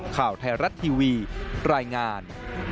ข่าวไทยรัฐทีวีรายงาน